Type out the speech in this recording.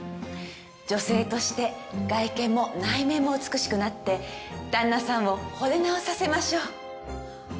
女性として外見も内面も美しくなって旦那さんを惚れ直させましょう。